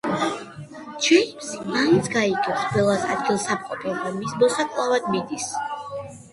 ჯეიმზი მაინც გაიგებს ბელას ადგილსამყოფელს და მის მოსაკლავად მიდის.